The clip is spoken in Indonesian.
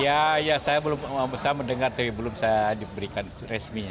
ya ya saya belum bisa mendengar tapi belum saya diberikan resminya